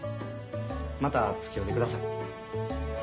またつきおうてください。